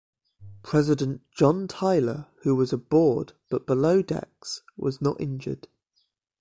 President John Tyler, who was aboard but below decks, was not injured.